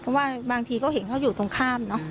เพราะว่าบางทีก็เห็นเขาอยู่ตรงข้ามเนอะ